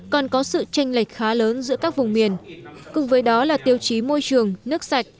còn có sự tranh lệch khá lớn giữa các vùng miền cùng với đó là tiêu chí môi trường nước sạch